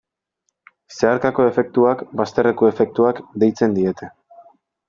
Zeharkako efektuak, bazterreko efektuak, deitzen diete.